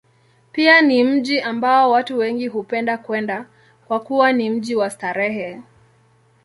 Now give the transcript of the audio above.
Pia ni mji ambao watu wengi hupenda kwenda, kwa kuwa ni mji wa starehe.